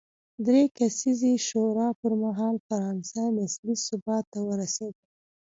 درې کسیزې شورا پر مهال فرانسه نسبي ثبات ته ورسېده.